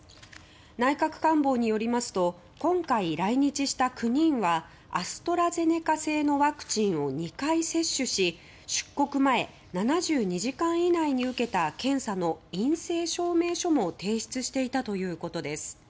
内閣官房によりますと今回来日した９人はアストラゼネカ製のワクチンを２回接種し出国前７２時間以内に受けた検査の陰性証明書も提出していたということです。